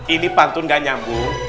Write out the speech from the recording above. ini pantun gak nyambung